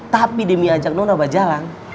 tapi demi ajak nona berjalan